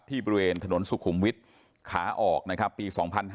บริเวณถนนสุขุมวิทย์ขาออกนะครับปี๒๕๕๙